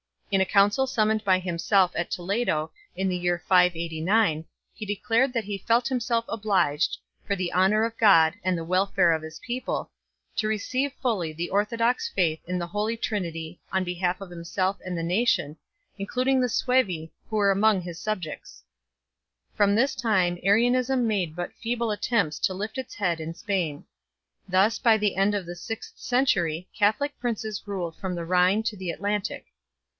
In a council summoned by himself at Toledo in the year 589 he declared that he felt himself obliged, for the honour of God and the welfare of his people, to receive fully the orthodox faith in the Holy Trinity on behalf of himself and the nation, including the Suevi who were among his subjects 1 . From this time Arianism made but feeble attempts to lift its head in Spain. Thus by the end of the sixth century Catholic princes ruled from the Rhine to the Atlantic.